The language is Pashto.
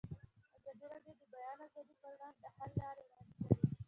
ازادي راډیو د د بیان آزادي پر وړاندې د حل لارې وړاندې کړي.